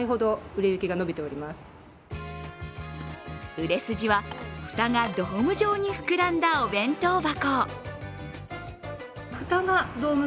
売れ筋は、蓋がドーム状に膨らんだお弁当箱。